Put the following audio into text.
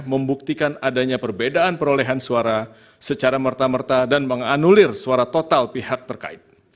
membuktikan adanya perbedaan perolehan suara secara merta merta dan menganulir suara total pihak terkait